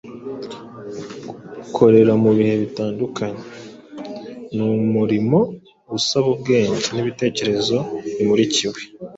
ukorera mu bihe bitandukanye, ni umurimo usaba ubwenge n’ibitekerezo bimurikiwe